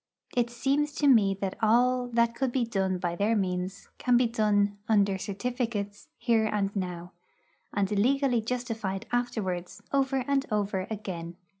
It seems to me that all that could be done by their means can be done 'under certificates' here and now, and legally justified afterwards over and over again.